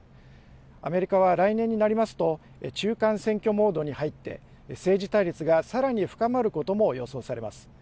アメリカは来年になりますと、中間選挙モードに入って、政治対立がさらに深まることも予想されます。